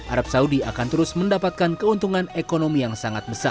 arab saudi akan terus mendapatkan keuntungan ekonomi yang sangat besar